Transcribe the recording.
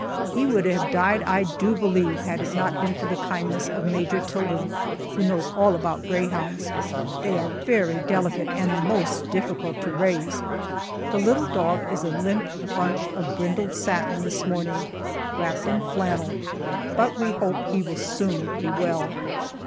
He would have died, I do believe, had it not been for the kindness of Major Tilden who knows all about greyhounds. They are very delicate and most difficult to raise. The little dog is a limp bunch of brindled satin this morning, wrapped in flannel, but we hope he will soon be well.